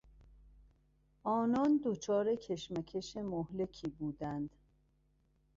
آنان دچار کشمکش مهلکی بودند.